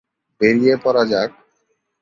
বেড়িয়ে পরা যাক।